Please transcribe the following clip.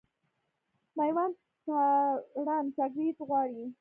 مېوند تارڼ چاکلېټ غواړي.